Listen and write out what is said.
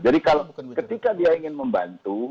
jadi kalau ketika dia ingin membantu